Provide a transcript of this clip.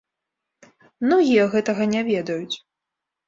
Многія гэтага не ведаюць.